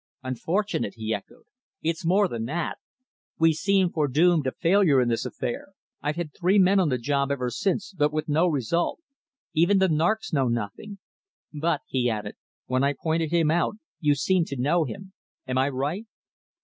"Unfortunate!" he echoed. "It's more than that. We seem foredoomed to failure in this affair. I've had three men on the job ever since, but with no result. Even the `narks' know nothing. But," he added, "when I pointed him out you seemed to know him. Am I right?"